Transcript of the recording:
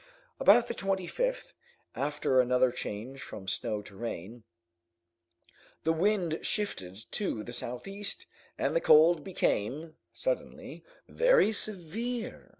About the 25th, after another change from snow to rain, the wind shifted to the southeast, and the cold became, suddenly, very severe.